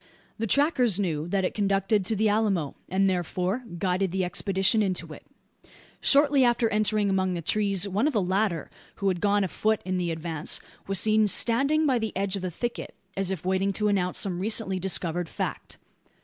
The trackers knew that it conducted to the Alamo; and, therefore, guided the expedition into it. Shortly after entering among the trees, one of the latter, who had gone afoot in the advance, was seen standing by the edge of the thicket, as if waiting to announce some recently discovered fact.